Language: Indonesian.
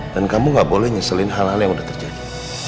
dan kamu gak boleh nyeselin hal hal yang udah terjadi